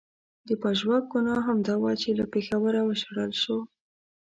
د پژواک ګناه همدا وه چې له پېښوره و شړل شو.